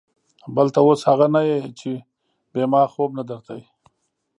بل ته اوس اغه نه يې چې بې ما خوب نه درته.